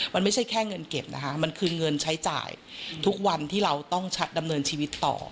มันไม่ใช่แค่เงินเก็บนะคะมันคือเงินใช้จ่ายทุกวันที่เราต้องดำเนินชีวิตต่อ